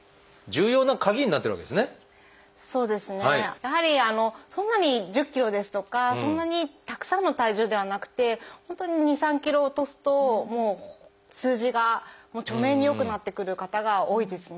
やはりそんなに１０ｋｇですとかそんなにたくさんの体重ではなくて本当に２３ｋｇ落とすと数字が著明に良くなってくる方が多いですね。